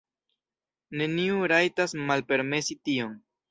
Neniu rajtas malpermesi tion!